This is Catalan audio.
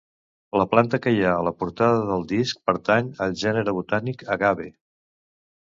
La planta que hi ha a la portada del disc pertany al gènere botànic Agave.